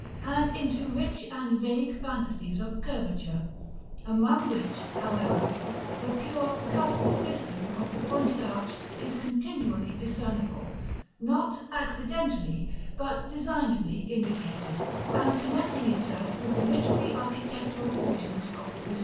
and into rich and vague fantasies of curvature; among which, however, the pure cusped system of the pointed arch is continually discernible, not accidentally, but designedly indicated, and connecting itself with the literally architectural portions of the design.